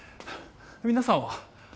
皆さんは？